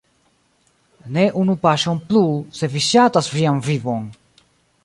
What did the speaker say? Ne unu paŝon plu, se vi ŝatas vian vivon!